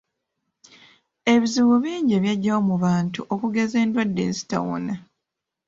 Ebizibu ebingi ebyajjawo mu bantu okugeza endwadde ezitawona.